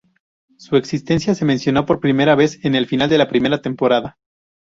Su existencia se mencionó por primera vez en el final de la primera temporada.